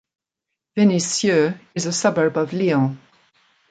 Venissieux is a suburb of Lyon.